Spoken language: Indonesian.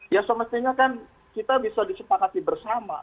ya semestinya kan kita bisa disepakati bersama